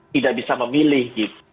tidak bisa memilih